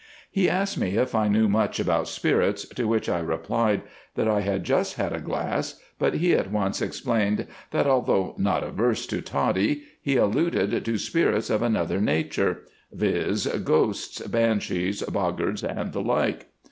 He asked me if I knew much about spirits, to which I replied that I had just had a glass, but he at once explained that although not averse to toddy, he alluded to spirits of another nature, viz., ghosts, banshees, boggards, and the like.